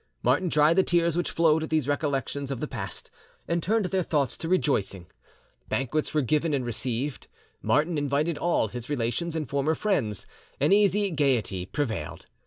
Martin dried the tears which flowed at these recollections of the past, and turned their thoughts to rejoicing. Banquets were given and received. Martin invited all his relations and former friends; an easy gaiety prevailed.